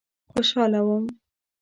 خوشاله وم.